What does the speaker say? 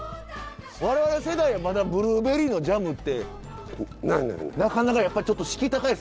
我々世代はまだブルーベリーのジャムってなかなかやっぱちょっと敷居高いですもんね。